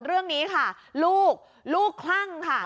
เรื่องนี้ค่ะลูกลูกคลั่งค่ะ